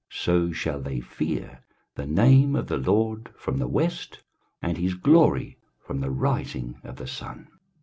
23:059:019 So shall they fear the name of the LORD from the west, and his glory from the rising of the sun.